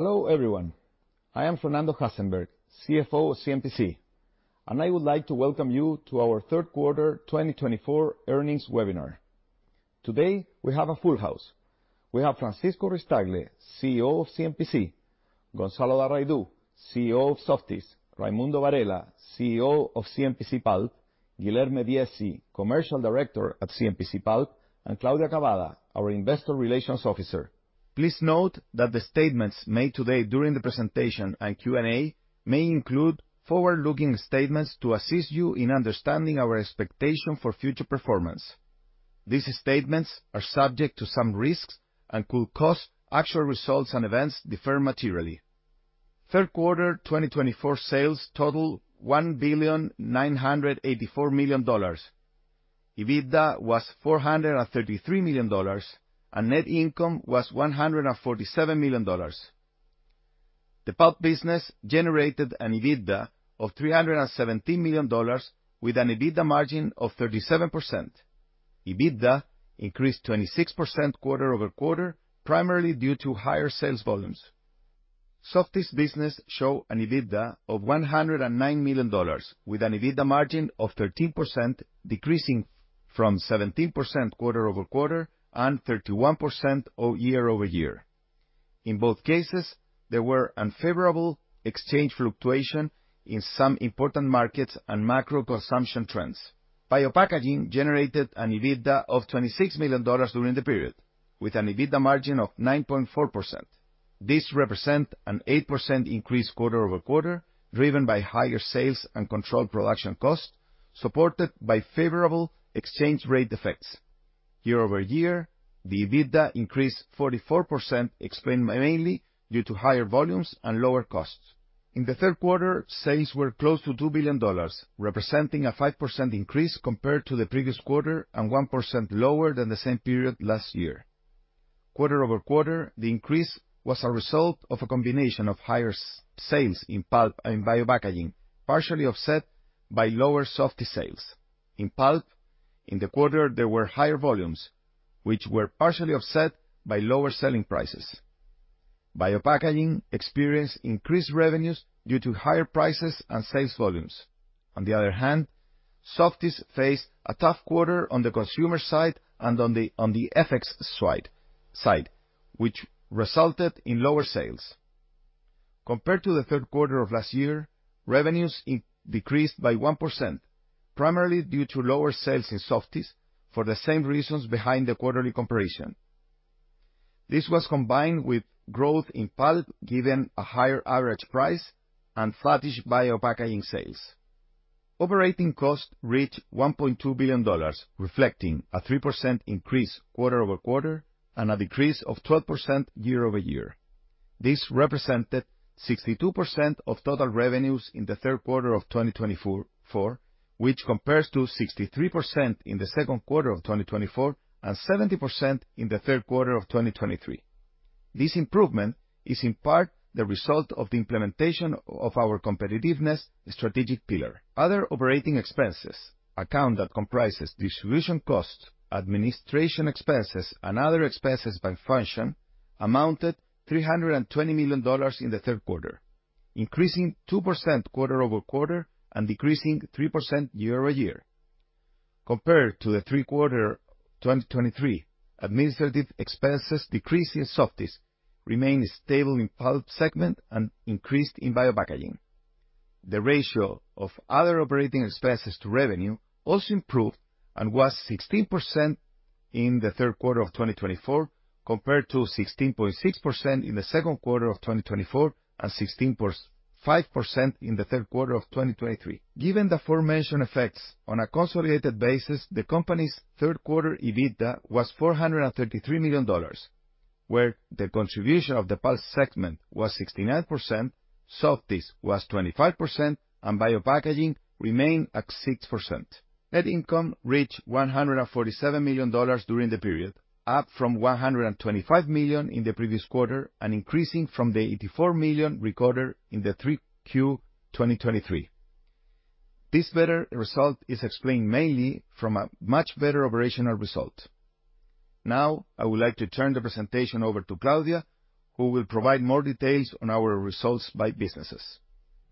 Hello everyone. I am Fernando Hasenberg, CFO of CMPC, and I would like to welcome you to our 3rd quarter 2024 earnings webinar. Today we have a full house. We have Francisco Ruiz-Tagle, CEO of CMPC, Gonzalo Darraidou, CEO of Softys, Raimundo Varela, CEO of CMPC Pulp, Guilherme Viesi, Commercial Director at CMPC Pulp, and Claudia Cavada, our Investor Relations Officer. Please note that the statements made today during the presentation and Q&A may include forward-looking statements to assist you in understanding our expectation for future performance. These statements are subject to some risks and could cause actual results and events differ materially. 3rd quarter 2024 sales totaled $1,984 million, EBITDA was $433 million, and net income was $147 million. The Pulp business generated an EBITDA of $317 million, with an EBITDA margin of 37%. EBITDA increased 26% quarter-over-quarter, primarily due to higher sales volumes. Softys business showed an EBITDA of $109 million, with an EBITDA margin of 13%, decreasing from 17% quarter-over-quarter and 31% year-over-year. In both cases, there were unfavorable exchange fluctuations in some important markets and macro consumption trends. Biopackaging generated an EBITDA of $26 million during the period, with an EBITDA margin of 9.4%. This represents an 8% increase quarter-over-quarter, driven by higher sales and controlled production costs, supported by favorable exchange rate effects. Year-over-year, the EBITDA increased 44%, explained mainly due to higher volumes and lower costs. In the 3rd quarter, sales were close to $2 billion, representing a 5% increase compared to the previous quarter and 1% lower than the same period last year. Quarter-over-quarter, the increase was a result of a combination of higher sales in Pulp and Biopackaging, partially offset by lower Softys sales. In Pulp, in the quarter, there were higher volumes, which were partially offset by lower selling prices. Biopackaging experienced increased revenues due to higher prices and sales volumes. On the other hand, Softys faced a tough quarter on the consumer side and on the FX side, which resulted in lower sales. Compared to the 3rd quarter of last year, revenues decreased by 1%, primarily due to lower sales in Softys for the same reasons behind the quarterly comparison. This was combined with growth in Pulp, given a higher average price and flattish Biopackaging sales. Operating costs reached $1.2 billion, reflecting a 3% increase quarter-over-quarter and a decrease of 12% year-over-year. This represented 62% of total revenues in the 3rd quarter of 2024, which compares to 63% in the 2nd quarter of 2024 and 70% in the 3rd quarter of 2023. This improvement is in part the result of the implementation of our competitiveness strategic pillar. Other operating expenses account that comprises distribution costs, administration expenses, and other expenses by function, amounted to $320 million in the 3rd quarter, increasing 2% quarter-over-quarter and decreasing 3% year-over-year. Compared to the 3rd quarter of 2023, administrative expenses decreased in Softys, remained stable in Pulp segment, and increased in Biopackaging. The ratio of other operating expenses to revenue also improved and was 16% in the 3rd quarter of 2024, compared to 16.6% in the 2nd quarter of 2024 and 16.5% in the 3rd quarter of 2023. Given the aforementioned effects on a consolidated basis, the company's 3rd quarter EBITDA was $433 million, where the contribution of the Pulp segment was 69%, Softys was 25%, and Biopackaging remained at 6%. Net income reached $147 million during the period, up from $125 million in the previous quarter and increasing from the $84 million recorded in 3Q 2023. This better result is explained mainly from a much better operational result. Now, I would like to turn the presentation over to Claudia, who will provide more details on our results by businesses.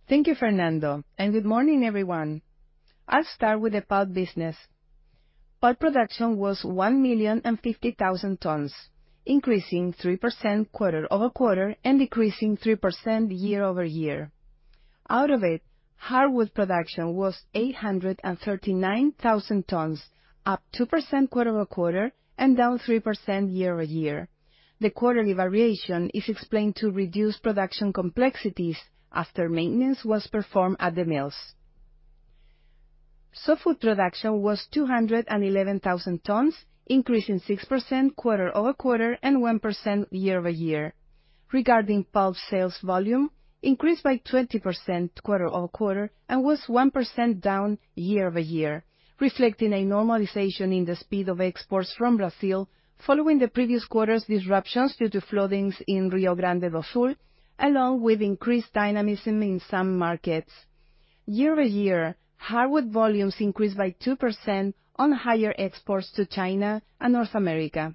Thank you, Fernando, and good morning, everyone. I'll start with the Pulp business. Pulp production was 1,050,000 tons, increasing 3% quarter-over-quarter and decreasing 3% year-over-year. Out of it, hardwood production was 839,000 tons, up 2% quarter-over-quarter and down 3% year-over-year. The quarterly variation is explained to reduce production complexities after maintenance was performed at the mills. Softwood production was 211,000 tons, increasing 6% quarter-over-quarter and 1% year-over-year. Regarding Pulp sales volume, it increased by 20% quarter-over-quarter and was 1% down year-over-year, reflecting a normalization in the speed of exports from Brazil following the previous quarter's disruptions due to floodings in Rio Grande do Sul, along with increased dynamism in some markets. year-over-year, hardwood volumes increased by 2% on higher exports to China and North America.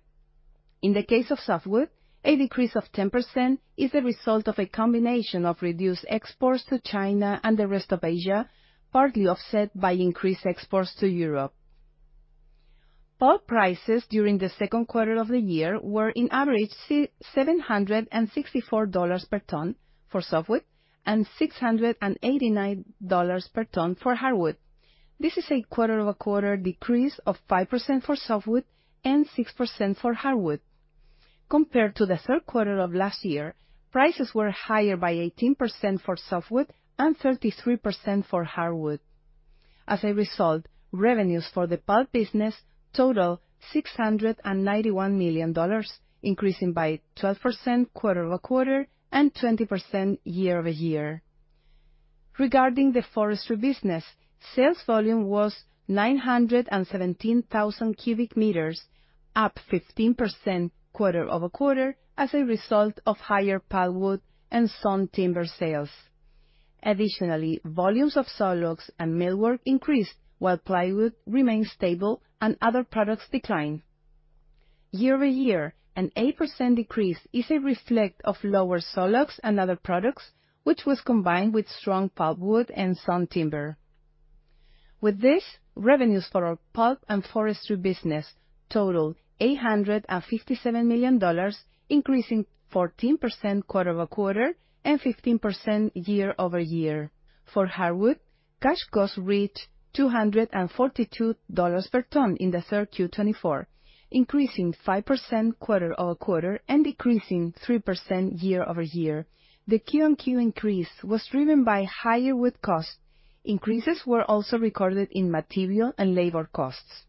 In the case of softwood, a decrease of 10% is the result of a combination of reduced exports to China and the rest of Asia, partly offset by increased exports to Europe. Pulp prices during the 2nd quarter of the year were, on average, $764 per ton for softwood and $689 per ton for hardwood. This is a quarter-over-quarter decrease of 5% for softwood and 6% for hardwood. Compared to the 3rd quarter of last year, prices were higher by 18% for softwood and 33% for hardwood. As a result, revenues for the pulp business totaled $691 million, increasing by 12% quarter-over-quarter and 20% year-over-year. Regarding the Forestry business, sales volume was 917,000 cubic meters, up 15% quarter-over-quarter as a result of higher plywood and sawn timber sales. Additionally, volumes of saw logs and millwork increased, while plywood remained stable and other products declined. year-over-year, an 8% decrease is a reflection of lower saw logs and other products, which was combined with strong plywood and sawn timber. With this, revenues for our Pulp and Forestry business totaled $857 million, increasing 14% quarter-over-quarter and 15% year-over-year. For hardwood, cash costs reached $242 per ton in the third Q24, increasing 5% quarter-over-quarter and decreasing 3% year-over-year. The Q on Q increase was driven by higher wood costs. Increases were also recorded in material and labor costs.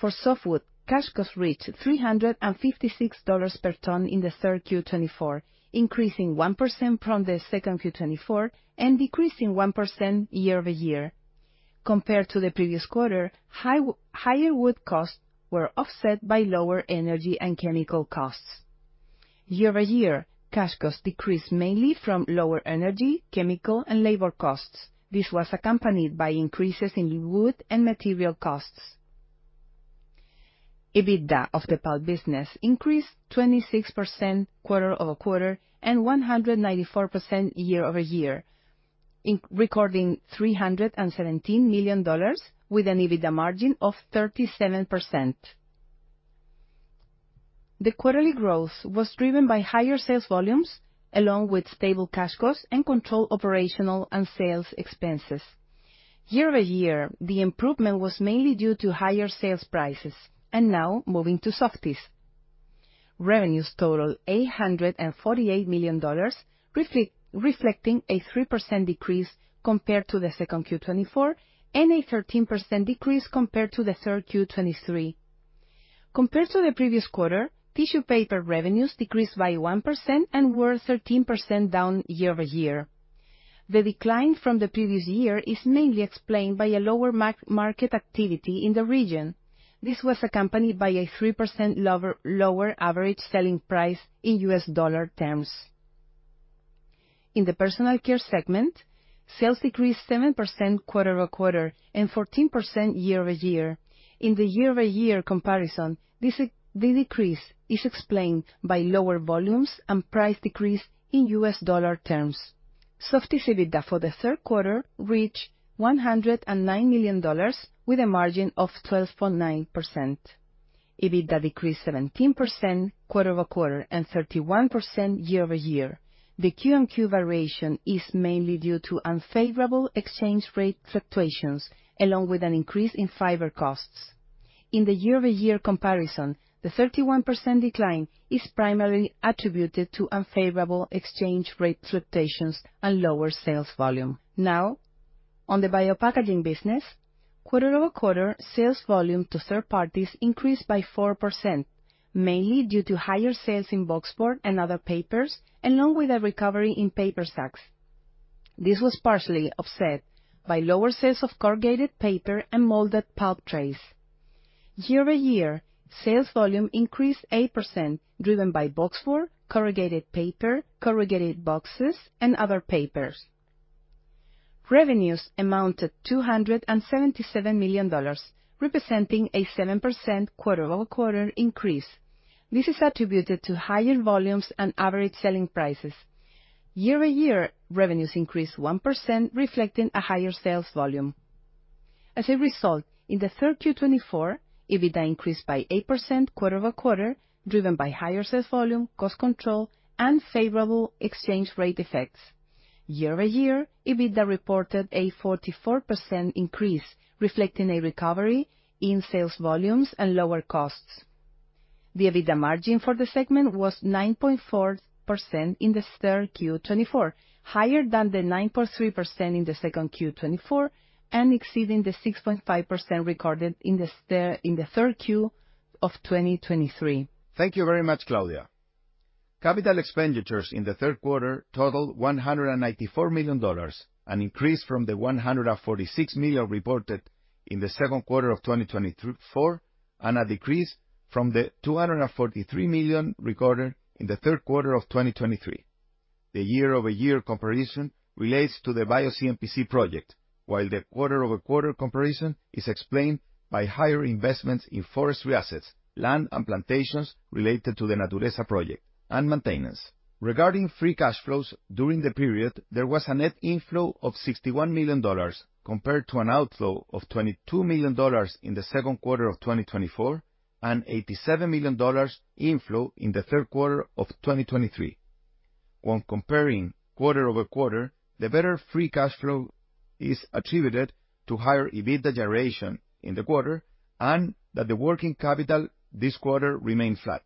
For softwood, cash costs reached $356 per ton in the third Q24, increasing 1% from the second Q24 and decreasing 1% year-over-year. Compared to the previous quarter, higher wood costs were offset by lower energy and chemical costs. year-over-year, cash costs decreased mainly from lower energy, chemical, and labor costs. This was accompanied by increases in wood and material costs. EBITDA of the Pulp business increased 26% quarter-over-quarter and 194% year-over-year, recording $317 million, with an EBITDA margin of 37%. The quarterly growth was driven by higher sales volumes, along with stable cash costs and controlled operational and sales expenses. year-over-year, the improvement was mainly due to higher sales prices, and now moving to Softys. Revenues totaled $848 million, reflecting a 3% decrease compared to the second Q 2024 and a 13% decrease compared to the 3rd Q 2023. Compared to the previous quarter, tissue paper revenues decreased by 1% and were 13% down year-over-year. The decline from the previous year is mainly explained by a lower market activity in the region. This was accompanied by a 3% lower average selling price in U.S. dollar terms. In the personal care segment, sales decreased 7% quarter-over-quarter and 14% year-over-year. In the year-over-year comparison, this decrease is explained by lower volumes and price decrease in U.S. dollar terms. Softys EBITDA for the 3rd quarter reached $109 million, with a margin of 12.9%. EBITDA decreased 17% quarter-over-quarter and 31% year-over-year. The Q on Q variation is mainly due to unfavorable exchange rate fluctuations, along with an increase in fiber costs. In the year-over-year comparison, the 31% decline is primarily attributed to unfavorable exchange rate fluctuations and lower sales volume. Now, on the Biopackaging business, quarter-over-quarter sales volume to third parties increased by 4%, mainly due to higher sales in boxboard and other papers, along with a recovery in paper sacks. This was partially offset by lower sales of corrugated paper and molded pulp trays. year-over-year, sales volume increased 8%, driven by boxboard, corrugated paper, corrugated boxes, and other papers. Revenues amounted to $277 million, representing a 7% quarter-over-quarter increase. This is attributed to higher volumes and average selling prices. year-over-year, revenues increased 1%, reflecting a higher sales volume. As a result, in the third Q24, EBITDA increased by 8% quarter-over-quarter, driven by higher sales volume, cost control, and favorable exchange rate effects. year-over-year, EBITDA reported a 44% increase, reflecting a recovery in sales volumes and lower costs. The EBITDA margin for the segment was 9.4% in the third Q24, higher than the 9.3% in the second Q24 and exceeding the 6.5% recorded in the third Q of 2023. Thank you very much, Claudia. Capital expenditures in the 3rd quarter totaled $194 million, an increase from the $146 million reported in the 2nd quarter of 2024 and a decrease from the $243 million recorded in the 3rd quarter of 2023. The year-over-year comparison relates to the BioCMPC project, while the quarter-over-quarter comparison is explained by higher investments in Forestry assets, land and plantations related to the Natureza project, and maintenance. Regarding free cash flows during the period, there was a net inflow of $61 million compared to an outflow of $22 million in the 2nd quarter of 2024 and $87 million inflow in the 3rd quarter of 2023. When comparing quarter-over-quarter, the better free cash flow is attributed to higher EBITDA generation in the quarter and that the working capital this quarter remained flat.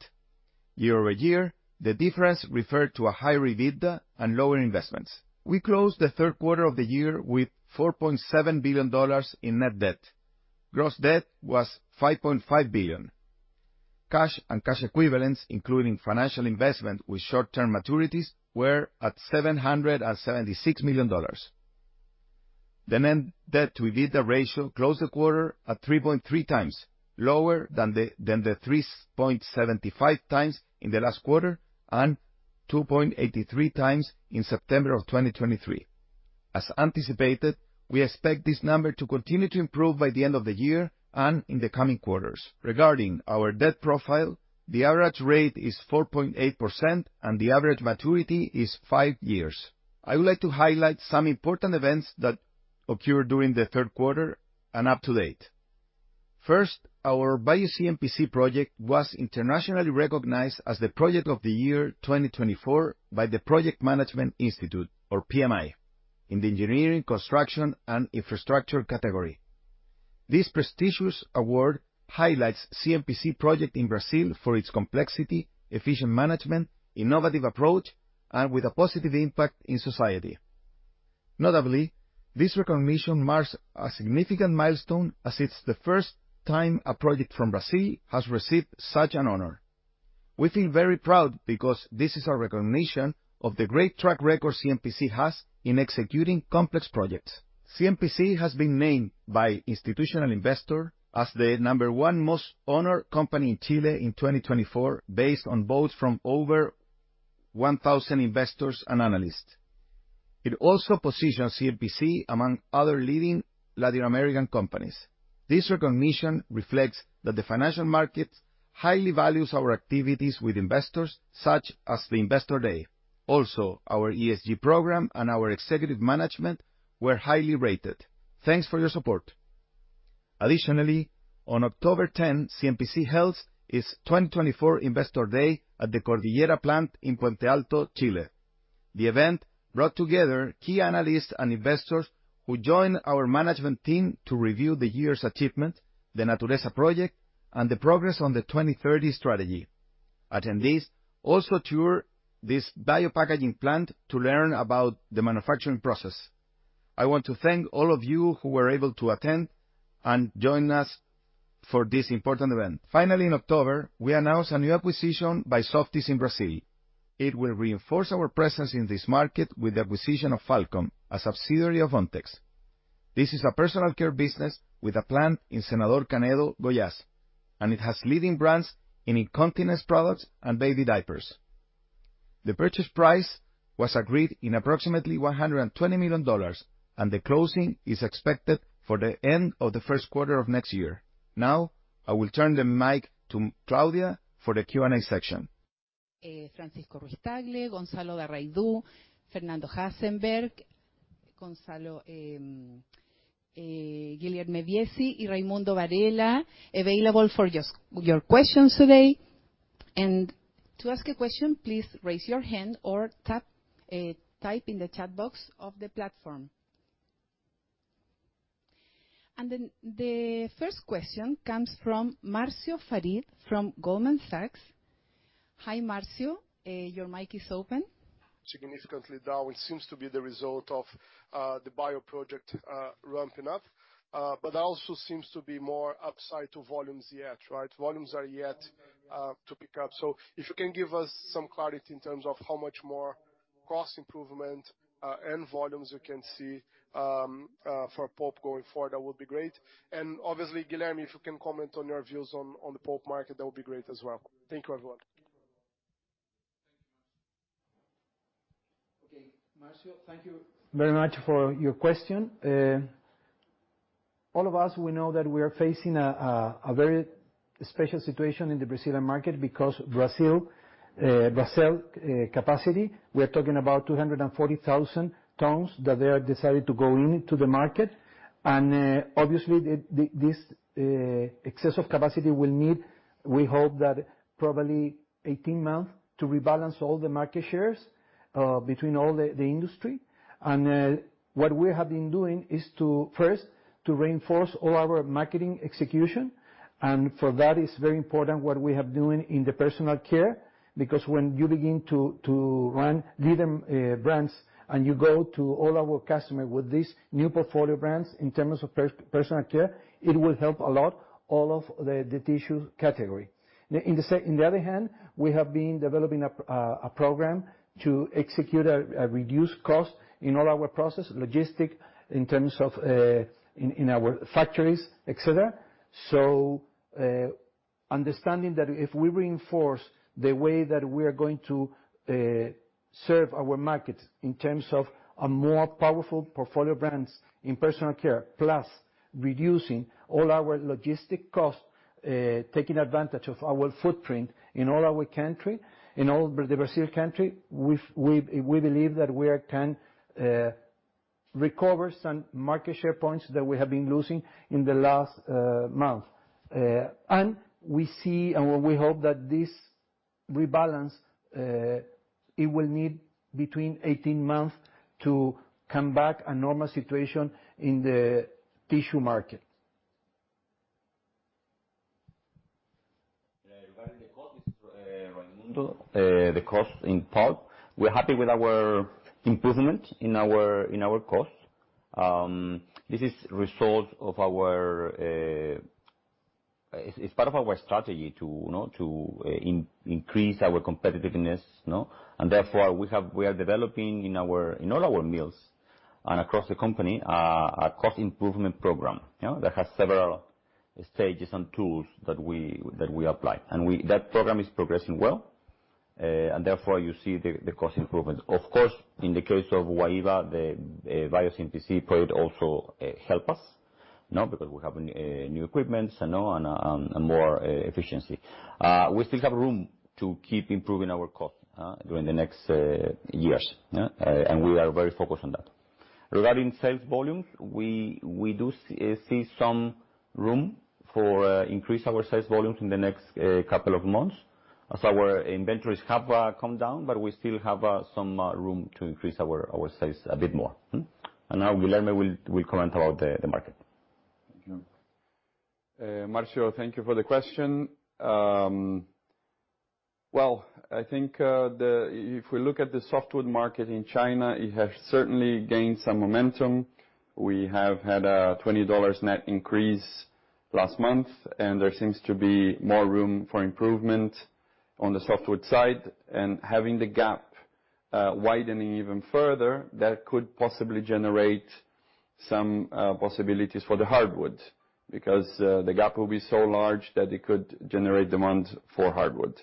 year-over-year, the difference referred to a higher EBITDA and lower investments. We closed the 3rd quarter of the year with $4.7 billion in net debt. Gross debt was $5.5 billion. Cash and cash equivalents, including financial investment with short-term maturities, were at $776 million. The net debt to EBITDA ratio closed the quarter at 3.3 times, lower than the 3.75 times in the last quarter and 2.83 times in September of 2023. As anticipated, we expect this number to continue to improve by the end of the year and in the coming quarters. Regarding our debt profile, the average rate is 4.8% and the average maturity is five years. I would like to highlight some important events that occurred during the 3rd quarter and up to date. First, our BioCMPC project was internationally recognized as the Project of the Year 2024 by the Project Management Institute, or PMI, in the Engineering, Construction, and Infrastructure category. This prestigious award highlights CMPC projects in Brazil for its complexity, efficient management, innovative approach, and with a positive impact in society. Notably, this recognition marks a significant milestone as it's the first time a project from Brazil has received such an honor. We feel very proud because this is a recognition of the great track record CMPC has in executing complex projects. CMPC has been named by institutional investors as the number one most honored company in Chile in 2024, based on votes from over 1,000 investors and analysts. It also positions CMPC among other leading Latin American companies. This recognition reflects that the financial markets highly value our activities with investors, such as the Investor Day. Also, our ESG program and our executive management were highly rated. Thanks for your support. Additionally, on October 10, CMPC held its 2024 Investor Day at the Cordillera plant in Puente Alto, Chile. The event brought together key analysts and investors who joined our management team to review the year's achievement, the Natureza project, and the progress on the 2030 strategy. Attendees also toured this Biopackaging plant to learn about the manufacturing process. I want to thank all of you who were able to attend and join us for this important event. Finally, in October, we announced a new acquisition by Softys in Brazil. It will reinforce our presence in this market with the acquisition of Falcon, a subsidiary of Ontex. This is a personal care business with a plant in Senador Canedo, Goiás, and it has leading brands in incontinence products and baby diapers. The purchase price was agreed in approximately $120 million, and the closing is expected for the end of the 1st quarter of next year. Now, I will turn the mic to Claudia for the Q&A section. Francisco Ruiz-Tagle, Gonzalo Darraidou, Fernando Hasenberg, Guilherme Viesi and Raimundo Varela, available for your questions today. To ask a question, please raise your hand or type in the chat box of the platform. Then the first question comes from Marcio Farid from Goldman Sachs. Hi, Marcio, your mic is open. Significantly down. It seems to be the result of the bio project ramping up, but there also seems to be more upside to volumes yet, right? Volumes are yet to pick up. So if you can give us some clarity in terms of how much more cost improvement and volumes you can see for Pulp going forward, that would be great. And obviously, Guilherme, if you can comment on your views on the Pulp market, that would be great as well. Thank you, everyone. Okay, Marcio. Thank you very much for your question. All of us, we know that we are facing a very special situation in the Brazilian market because Brazil's capacity, we are talking about 240,000 tons that they have decided to go into the market. And obviously, this excess of capacity will need, we hope, that probably 18 months to rebalance all the market shares between all the industries. And what we have been doing is, first, to reinforce all our marketing execution. And for that, it's very important what we have been doing in the personal care, because when you begin to run leader brands and you go to all our customers with these new portfolio brands in terms of personal care, it will help a lot all of the tissue category. On the other hand, we have been developing a program to execute a reduced cost in all our process logistics in terms of in our factories, etc. So understanding that if we reinforce the way that we are going to serve our markets in terms of a more powerful portfolio brands in personal care, plus reducing all our logistic costs, taking advantage of our footprint in all our country, in all the Brazil country, we believe that we can recover some market share points that we have been losing in the last month. And we see and we hope that this rebalance, it will need between 18 months to come back to a normal situation in the tissue market. Regarding the cost in Pulp, we're happy with our improvement in our cost. This is a result of our; it's part of our strategy to increase our competitiveness, and therefore we are developing in all our mills and across the company a cost improvement program that has several stages and tools that we apply, and that program is progressing well, and therefore you see the cost improvement. Of course, in the case of Guaíba, the BioCMPC project also helped us because we have new equipment and more efficiency. We still have room to keep improving our cost during the next years, and we are very focused on that. Regarding sales volumes, we do see some room for increasing our sales volumes in the next couple of months as our inventories have come down, but we still have some room to increase our sales a bit more. Now, Guilherme will comment about the market. Thank you. Marcio, thank you for the question. I think if we look at the softwood market in China, it has certainly gained some momentum. We have had a $20 net increase last month, and there seems to be more room for improvement on the softwood side. Having the gap widening even further, that could possibly generate some possibilities for the hardwood because the gap will be so large that it could generate demand for hardwood.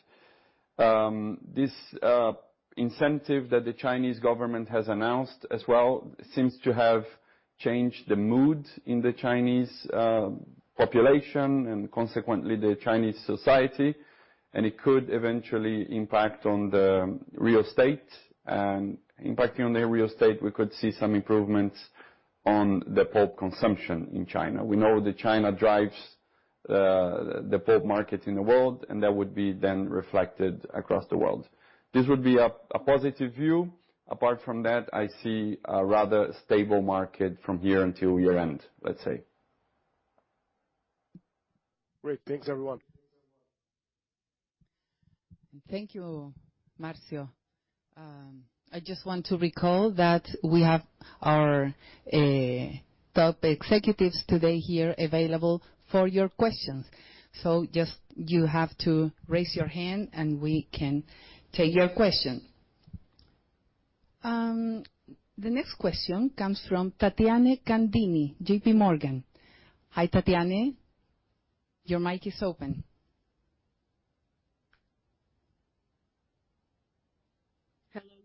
This incentive that the Chinese government has announced as well seems to have changed the mood in the Chinese population and consequently the Chinese society, and it could eventually impact on the real estate. Impacting on the real estate, we could see some improvements on the pulp consumption in China. We know that China drives the pulp market in the world, and that would be then reflected across the world. This would be a positive view. Apart from that, I see a rather stable market from here until year end, let's say. Great. Thanks, everyone. Thank you, Marcio. I just want to recall that we have our top executives today here available for your questions. So just you have to raise your hand, and we can take your question. The next question comes from Tathiane Candini, JPMorgan. Hi, Tathiane. Your mic is open.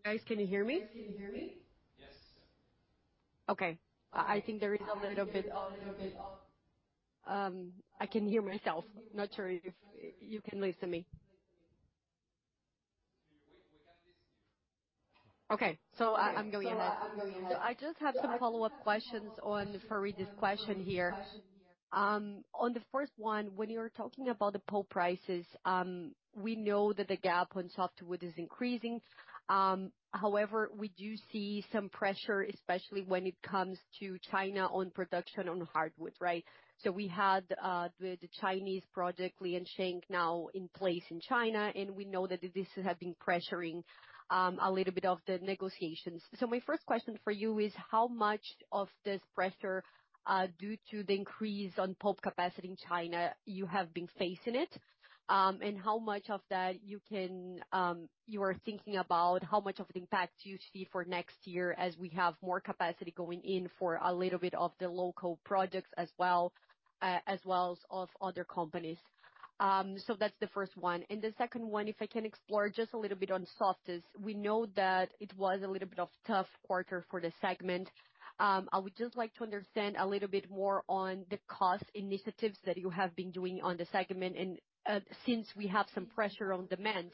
Hello, guys. Can you hear me? Yes. Okay. I think there is a little bit of I can hear myself. Not sure if you can listen to me. Okay. So I'm going ahead. So I just have some follow-up questions for this question here. On the first one, when you're talking about the pulp prices, we know that the gap on softwood is increasing. However, we do see some pressure, especially when it comes to China on production on hardwood, right? So we had the Chinese project, Liansheng, now in place in China, and we know that this has been pressuring a little bit of the negotiations. So my first question for you is, how much of this pressure due to the increase on pulp capacity in China, you have been facing it? And how much of that you are thinking about, how much of the impact do you see for next year as we have more capacity going in for a little bit of the local projects as well, as well as of other companies? So that's the first one. And the second one, if I can explore just a little bit on softwoods, we know that it was a little bit of a tough quarter for the segment. I would just like to understand a little bit more on the cost initiatives that you have been doing on the segment. And since we have some pressure on demand,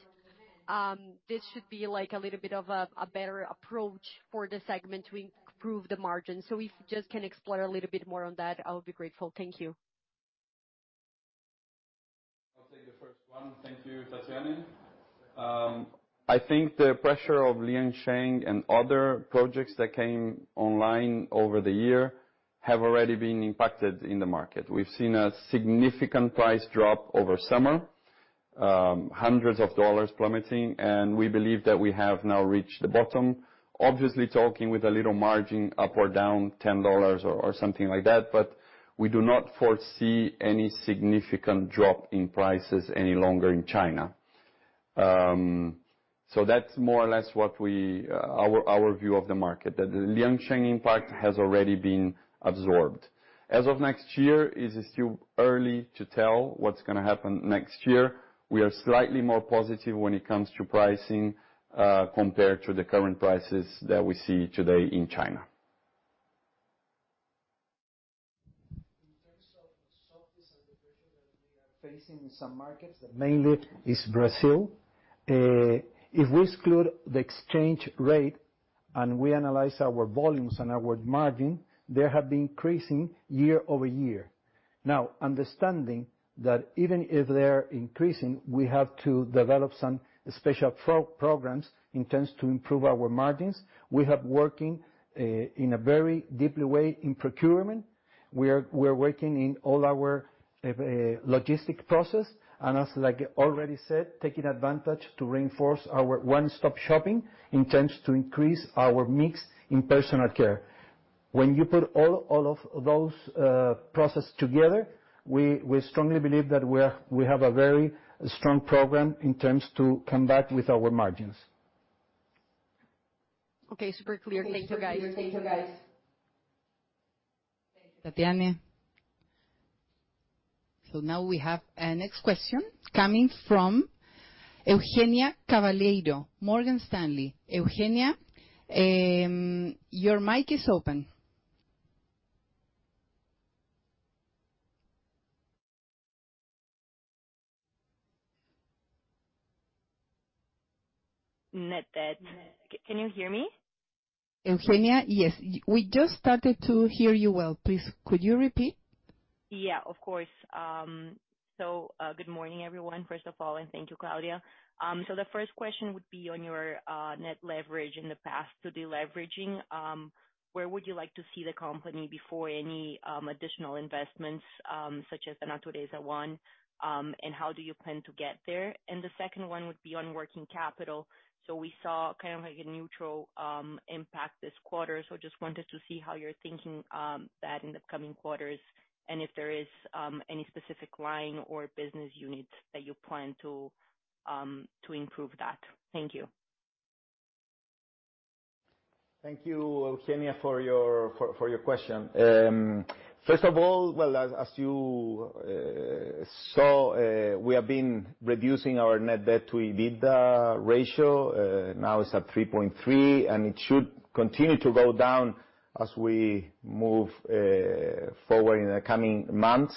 this should be like a little bit of a better approach for the segment to improve the margin. So if you just can explore a little bit more on that, I would be grateful. Thank you. I'll take the first one. Thank you, Tathiane. I think the pressure of Liansheng and other projects that came online over the year have already been impacted in the market. We've seen a significant price drop over summer, hundreds of dollars plummeting, and we believe that we have now reached the bottom, obviously talking with a little margin up or down, $10 or something like that, but we do not foresee any significant drop in prices any longer in China, so that's more or less what our view of the market, that the Liansheng impact has already been absorbed. As of next year, it is still early to tell what's going to happen next year. We are slightly more positive when it comes to pricing compared to the current prices that we see today in China. In terms of softwoods and the pressure that we are facing in some markets, mainly it's Brazil. If we exclude the exchange rate and we analyze our volumes and our margin, they have been increasing year-over-year. Now, understanding that even if they're increasing, we have to develop some special programs in terms of improving our margins. We have been working in a very deep way in procurement. We are working in all our logistics processes, and as already said, taking advantage to reinforce our one-stop shopping in terms of increasing our mix in personal care. When you put all of those processes together, we strongly believe that we have a very strong program in terms of coming back with our margins. Okay. Super clear. Thank you, guys. So now we have a next question coming from Eugenia Cavalheiro, Morgan Stanley. Eugenia, your mic is open. Net debt. Can you hear me? Eugenia, yes. We just started to hear you well. Please, could you repeat? Yeah, of course. So good morning, everyone, first of all, and thank you, Claudia. So the first question would be on your net leverage and the path to deleveraging. Where would you like to see the company before any additional investments, such as the Natureza one? And how do you plan to get there? And the second one would be on working capital. So we saw kind of like a neutral impact this quarter. So just wanted to see how you're thinking about that in the coming quarters and if there is any specific line or business units that you plan to improve that. Thank you. Thank you, Eugenia, for your question. First of all, well, as you saw, we have been reducing our net debt to EBITDA ratio. Now it's at 3.3, and it should continue to go down as we move forward in the coming months.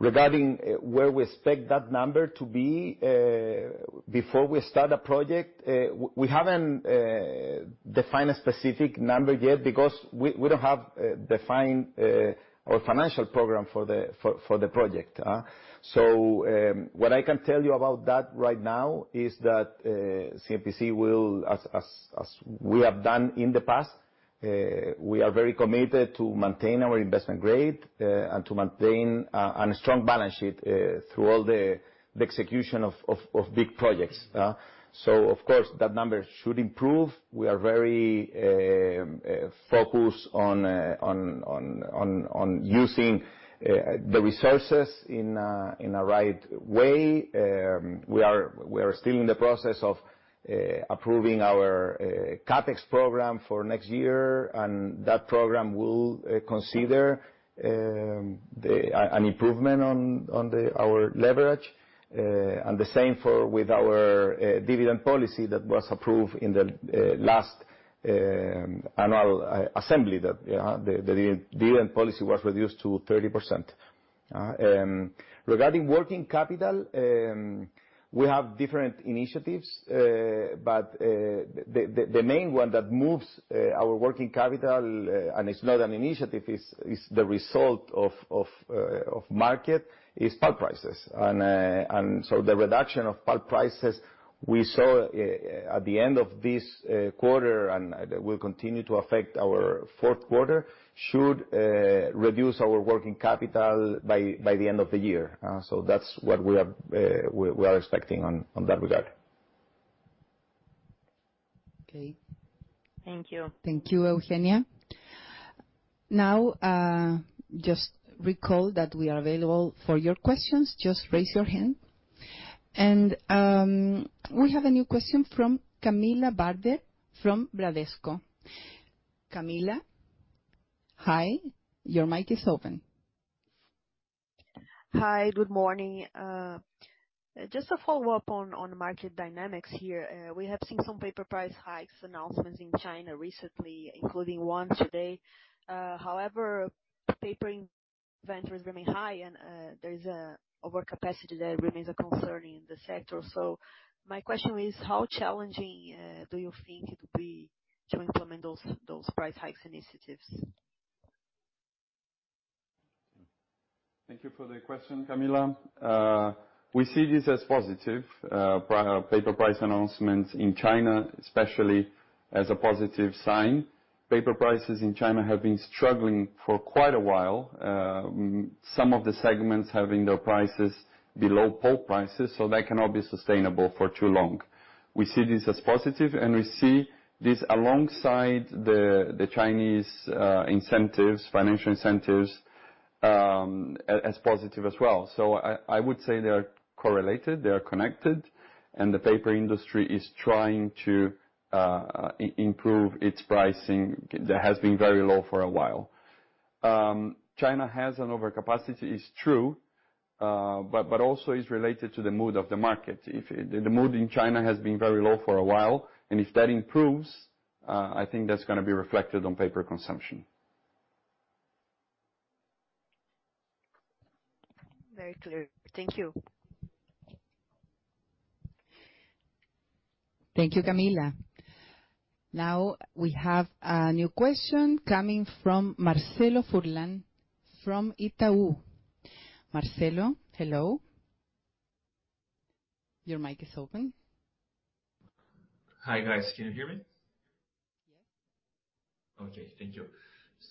Regarding where we expect that number to be before we start a project, we haven't defined a specific number yet because we don't have defined our financial program for the project. So what I can tell you about that right now is that CMPC, as we have done in the past, we are very committed to maintain our investment grade and to maintain a strong balance sheet through all the execution of big projects. So, of course, that number should improve. We are very focused on using the resources in a right way. We are still in the process of approving our CapEx program for next year, and that program will consider an improvement on our leverage. And the same with our dividend policy that was approved in the last annual assembly, that the dividend policy was reduced to 30%. Regarding working capital, we have different initiatives, but the main one that moves our working capital, and it's not an initiative, it's the result of market, is Pulp prices. And so the reduction of Pulp prices we saw at the end of this quarter and will continue to affect our 4th quarter should reduce our working capital by the end of the year. So that's what we are expecting on that regard. Okay. Thank you. Thank you, Eugenia. Now, just recall that we are available for your questions. Just raise your hand. And we have a new question from Camilla Barder from Bradesco. Camilla, hi. Your mic is open. Hi. Good morning. Just to follow up on market dynamics here, we have seen some paper price hikes announcements in China recently, including one today. However, paper inventories remain high, and there is an overcapacity that remains a concern in the sector. So my question is, how challenging do you think it will be to implement those price hikes initiatives? Thank you for the question, Camilla. We see this as positive. Paper price announcements in China, especially, as a positive sign. Paper prices in China have been struggling for quite a while. Some of the segments have their prices below Pulp prices, so that cannot be sustainable for too long. We see this as positive, and we see this alongside the Chinese incentives, financial incentives, as positive as well. So I would say they are correlated. They are connected, and the paper industry is trying to improve its pricing that has been very low for a while. China has an overcapacity, it's true, but also it's related to the mood of the market. The mood in China has been very low for a while, and if that improves, I think that's going to be reflected on paper consumption. Very clear. Thank you. Thank you, Camilla. Now, we have a new question coming from Marcelo Furlan from Itaú. Marcelo, hello. Your mic is open. Hi, guys. Can you hear me? Yes. Okay. Thank you.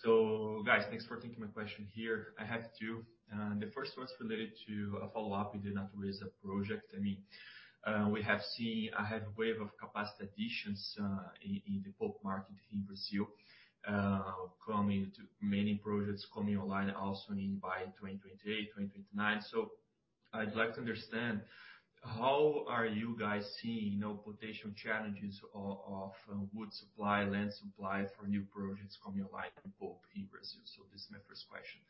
So, guys, thanks for taking my question here. I have two. The first one's related to a follow-up in the Natureza Project. I mean, we have seen a heavy wave of capacity additions in the Pulp market in Brazil coming to many projects coming online also in by 2028, 2029. So I'd like to understand how are you guys seeing potential challenges of wood supply, land supply for new projects coming online in Pulp in Brazil? So this is my first question.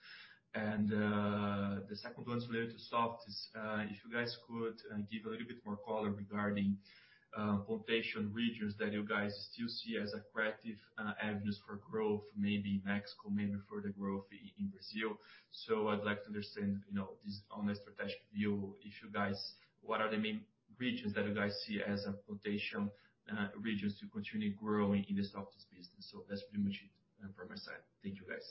And the second one's related to softwoods. If you guys could give a little bit more color regarding plantation regions that you guys still see as attractive avenues for growth, maybe in Mexico, maybe further growth in Brazil. So I'd like to understand this on a strategic view. What are the main regions that you guys see as plantation regions to continue growing in the softwoods business? So that's pretty much it from my side. Thank you, guys.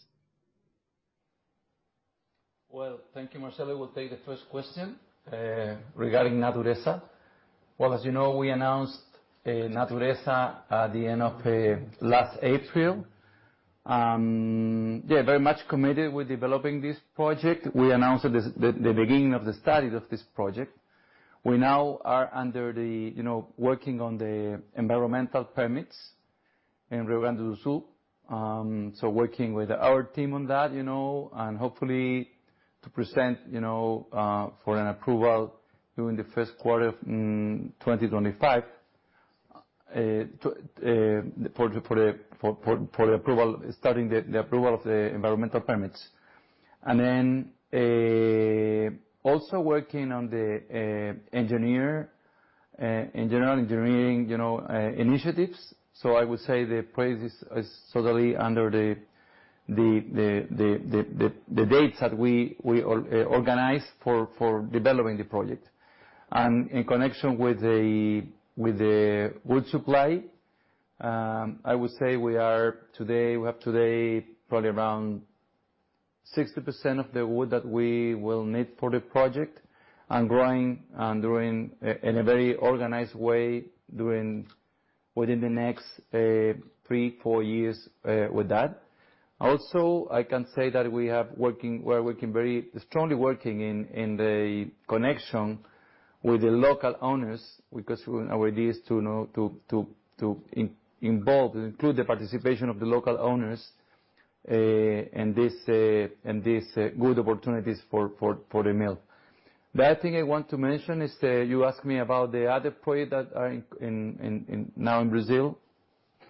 Thank you, Marcelo. We'll take the first question regarding Natureza. As you know, we announced Natureza at the end of last April. Yeah, very much committed with developing this project. We announced at the beginning of the study of this project. We now are working on the environmental permits in Rio Grande do Sul. Working with our team on that, and hopefully to present for an approval during the 1st quarter of 2025 for the approval, starting the approval of the environmental permits. Then also working on the engineering in general engineering initiatives. I would say the project is totally under the dates that we organized for developing the project. In connection with the wood supply, I would say we have today probably around 60% of the wood that we will need for the project and growing in a very organized way within the next three, four years with that. Also, I can say that we are working very strongly in the connection with the local owners because our idea is to involve, include the participation of the local owners in these good opportunities for the mill. The other thing I want to mention is you asked me about the other projects that are now in Brazil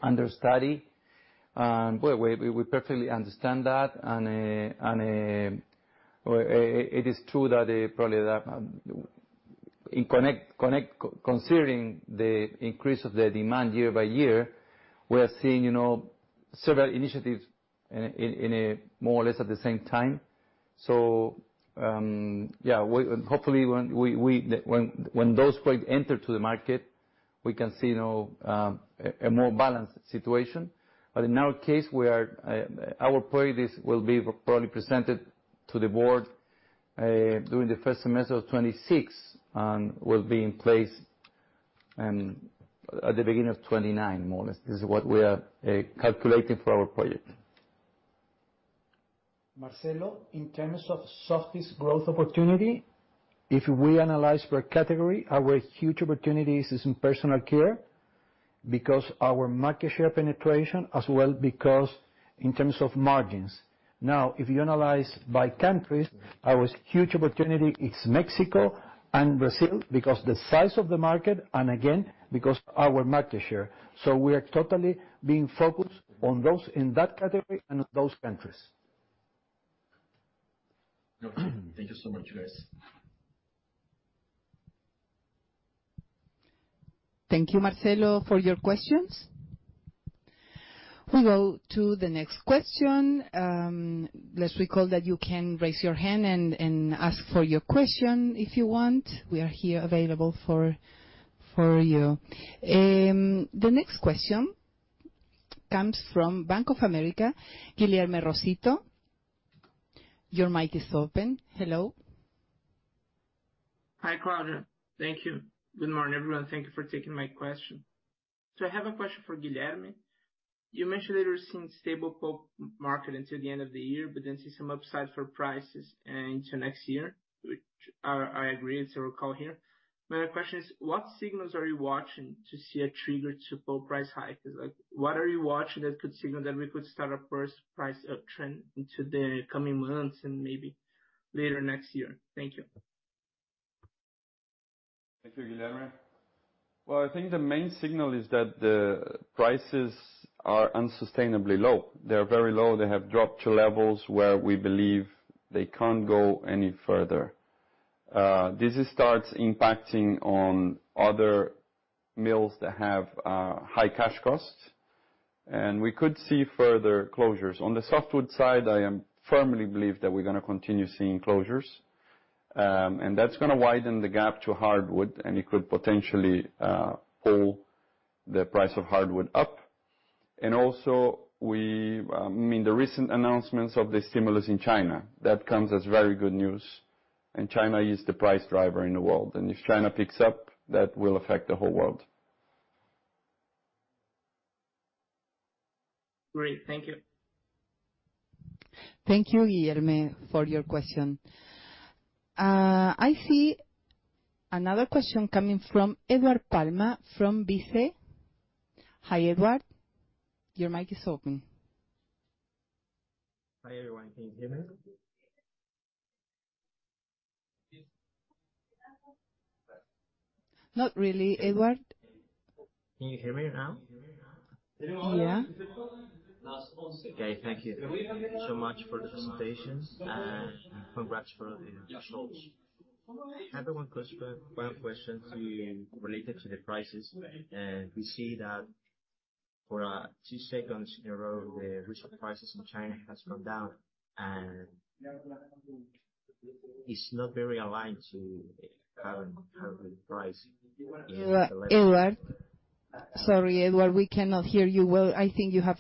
under study. Well, we perfectly understand that. It is true that probably considering the increase of the demand year by year, we are seeing several initiatives more or less at the same time. So yeah, hopefully when those projects enter to the market, we can see a more balanced situation. But in our case, our project will be probably presented to the board during the first semester of 2026 and will be in place at the beginning of 2029, more or less. This is what we are calculating for our project. Marcelo, in terms of softwoods growth opportunity? If we analyze per category, our huge opportunity is in personal care because of our market share penetration as well because in terms of margins. Now, if you analyze by countries, our huge opportunity is Mexico and Brazil because of the size of the market and again, because of our market share. So we are totally being focused on those in that category and those countries. Thank you so much, guys. Thank you, Marcelo, for your questions. We go to the next question. Let's recall that you can raise your hand and ask for your question if you want. We are here available for you. The next question comes from Bank of America, Guilherme Rosito. Your mic is open. Hello. Hi, Claudia. Thank you. Good morning, everyone. Thank you for taking my question. So I have a question for Guilherme. You mentioned that you're seeing stable Pulp market until the end of the year, but then see some upside for prices until next year, which I agree. It's a recap here. My question is, what signals are you watching to see a trigger to Pulp price hikes? What are you watching that could signal that we could start a first price uptrend into the coming months and maybe later next year? Thank you. Thank you, Guilherme. Well, I think the main signal is that the prices are unsustainably low. They are very low. They have dropped to levels where we believe they can't go any further. This starts impacting on other mills that have high cash costs. And we could see further closures. On the softwood side, I firmly believe that we're going to continue seeing closures. And that's going to widen the gap to hardwood, and it could potentially pull the price of hardwood up. And also, I mean, the recent announcements of the stimulus in China, that comes as very good news. And China is the price driver in the world. And if China picks up, that will affect the whole world. Great. Thank you. Thank you, Guilherme, for your question. I see another question coming from Edward Palma from BICE. Hi, Edward. Your mic is open. Hi, everyone. Can you hear me? Not really, Edward. Can you hear me now? Yeah. Okay. Thank you so much for the presentation. Congrats for the results. Everyone could ask one question related to the prices. We see that for two quarters in a row, the list prices in China have gone down, and it's not very aligned to current price. Edward. Sorry, Edward. We cannot hear you well. I think you have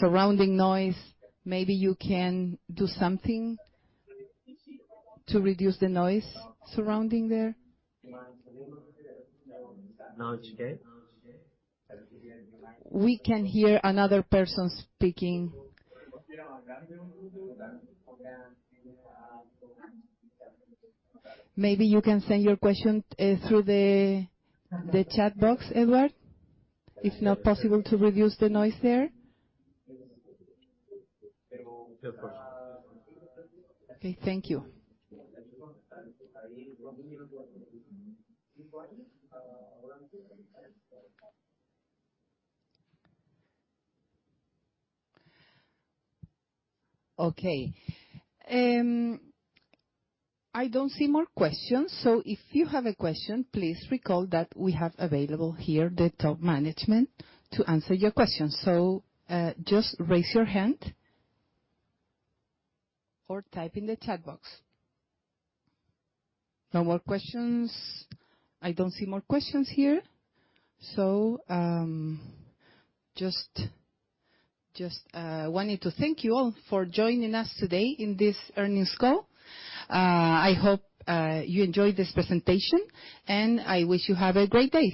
surrounding noise. Maybe you can do something to reduce the noise surrounding there. Now it's okay? We can hear another person speaking. Maybe you can send your question through the chat box, Edward, if not possible to reduce the noise there. Yes, of course. Okay. Thank you. Okay. I don't see more questions. So if you have a question, please recall that we have available here the top management to answer your questions. So just raise your hand or type in the chat box. No more questions. I don't see more questions here. So just wanted to thank you all for joining us today in this earnings call. I hope you enjoyed this presentation, and I wish you have a great day.